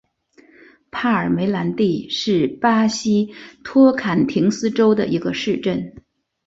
帕尔梅兰蒂是巴西托坎廷斯州的一个市镇。